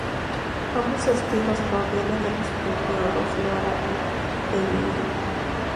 Ambos estilos provienen de los períodos Nara y Heian.